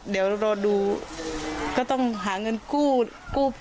เดี๋ยวรอดูก็ต้องหาเงินกู้กู้